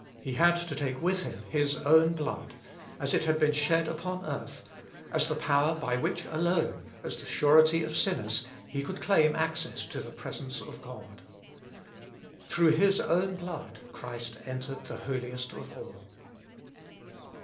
He had to take with Him His own blood, as it had been shed upon earth, as the power by which alone, as the surety of sinners, He could claim access to the presence of God. Through His own blood Christ entered the Holiest of All.